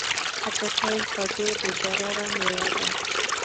خټکی خوږه، بې ضرره مېوه ده.